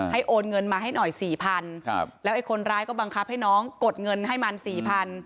ให้โอนเงินมาให้หน่อย๔๐๐๐บาทแล้วคนร้ายก็บังคับให้น้องกดเงินให้มัน๔๐๐๐บาท